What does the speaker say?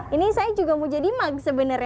ini saya juga mau jadi mag sebenarnya